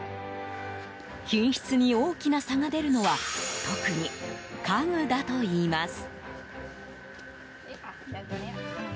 品質に大きな差が出るのは特に家具だといいます。